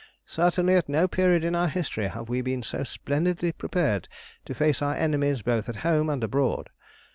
"Certainly at no period in our history have we been so splendidly prepared to face our enemies both at home and abroad.